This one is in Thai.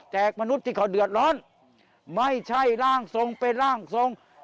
มนุษย์ที่เขาเดือดร้อนไม่ใช่ร่างทรงเป็นร่างทรง